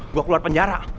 gua keluar penjara